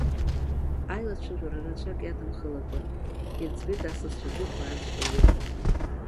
Аилацәажәара рацәак иадымхалакәа, ирыӡбеит асасцәа дуқәа аарцәҟа ирраны.